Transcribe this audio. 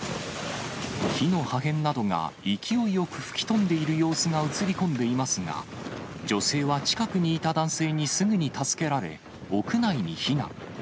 木の破片などが勢いよく吹き飛んでいる様子が映り込んでいますが、女性は近くにいた男性にすぐに助けられ、屋内に避難。